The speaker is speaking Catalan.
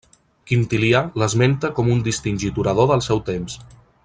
Quintilià l'esmenta com un distingit orador del seu temps.